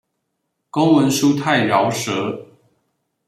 公文書太饒舌